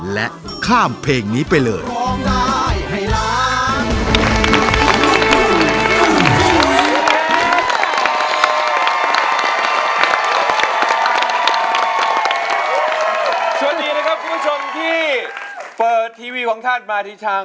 และข้ามเพลงนี้ไปเลย